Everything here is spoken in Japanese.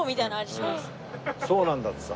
そうなんだってさ。